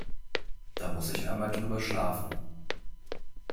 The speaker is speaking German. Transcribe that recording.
Da muss ich einmal drüber schlafen.